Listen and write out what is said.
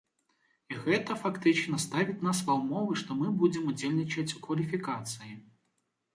І гэта, фактычна, ставіць нас ва ўмовы, што мы будзем удзельнічаць у кваліфікацыі.